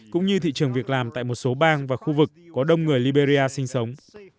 cũng như thị trường việc làm tại một số bang và khu vực có đông người liberia sinh sống